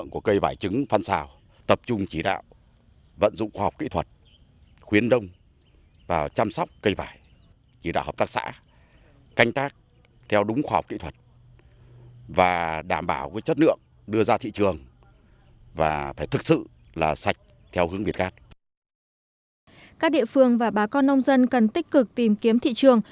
các địa phương và bà con nông dân cần tích cực tìm kiếm thị trường